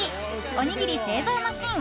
おにぎり製造マシン